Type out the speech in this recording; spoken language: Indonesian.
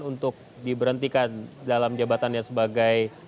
untuk diberhentikan dalam jabatannya sebagai